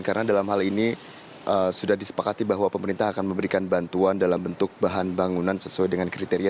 karena dalam hal ini sudah disepakati bahwa pemerintah akan memberikan bantuan dalam bentuk bahan bangunan sesuai dengan kriteria